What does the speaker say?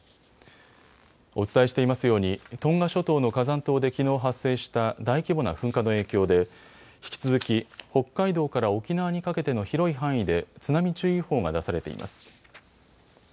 お伝えしていますようにトンガ諸島の火山島できのう発生した大規模な噴火の影響で引き続き北海道から沖縄にかけての広い範囲で津波注意報が出されています。